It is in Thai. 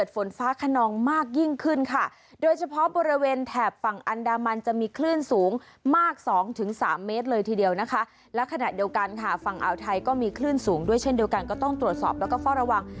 ฝั่งอาวไทยก็มีคลื่นสูงด้วยเช่นเดียวกันก็ต้องตรวจสอบแล้วก็เฝ้าระวัง